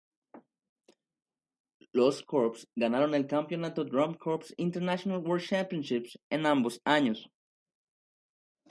Los "corps" ganaron el campeonato "Drum Corps International World Championships" en ambos años.